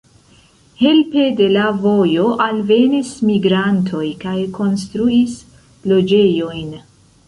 Helpe de la vojo alvenis migrantoj kaj konstruis loĝejojn.